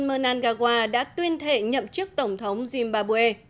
emerson mnangawa đã tuyên thệ nhậm chức tổng thống zimbabwe